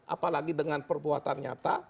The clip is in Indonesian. apalagi dengan perbuatan nyata